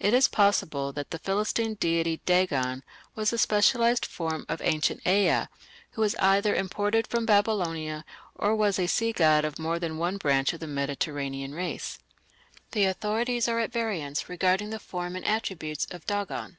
It is possible that the Philistine deity Dagon was a specialized form of ancient Ea, who was either imported from Babylonia or was a sea god of more than one branch of the Mediterranean race. The authorities are at variance regarding the form and attributes of Dagan.